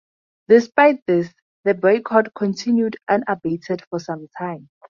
Despite this, the boycott continued unabated for some time.